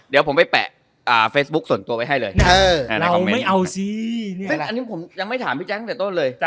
เดี๋ยวผมไปแปะอ่าเฟซบุกส่วนตัวไว้ให้เลยอันนี้ผมยังไม่ถามพี่แจ๊คซ์จากต้นเลย